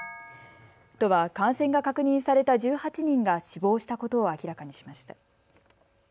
都は感染が確認された１８人が死亡したことを明らかにしました。